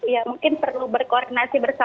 ya mungkin perlu berkoordinasi bersama